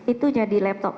itu jadi laptop